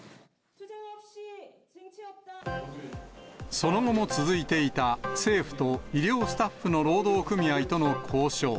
その後も続いていた政府と医療スタッフの労働組合との交渉。